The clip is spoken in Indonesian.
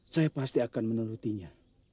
saya pasti akan menurutinya